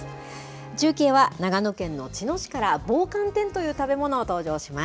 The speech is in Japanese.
中継は長野県の茅野市から棒寒天という食べ物が登場します。